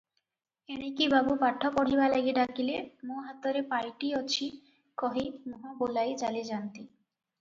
ଏଣିକି ବାବୁ ପାଠ ପଢ଼ିବାଲାଗି ଡାକିଲେ, "ମୋ ହାତରେ ପାଇଟି ଅଛି" କହି ମୁହଁ ବୁଲାଇ ଚାଲିଯାନ୍ତି ।